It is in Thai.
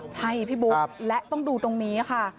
ใช่พี่บุ๊คและต้องดูตรงนี้ค่ะ